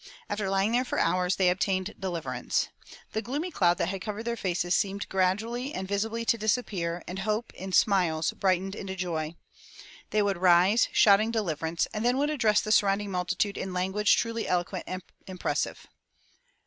After lying there for hours they obtained deliverance. The gloomy cloud that had covered their faces seemed gradually and visibly to disappear, and hope, in smiles, brightened into joy. They would rise, shouting deliverance, and then would address the surrounding multitude in language truly eloquent and impressive.